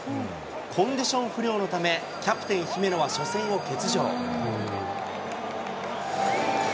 コンディション不良のため、キャプテン、姫野は初戦を欠場。